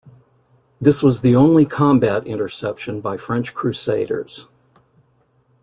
This was the only combat interception by French Crusaders.